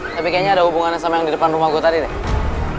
tapi kayaknya ada hubungannya sama yang di depan rumah gue tadi deh